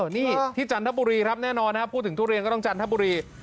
นี่ที่จันทบุรีครับแน่นอนนะครับพูดถึงทุเรียนก็ต้องจันทบุรี